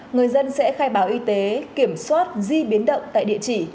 người dân sẽ khai báo y tế kiểm soát di biến động tại địa chỉ